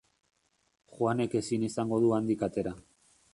Juanek ezin izango du handik atera.